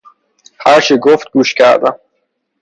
هر چه گفت گوش کردم.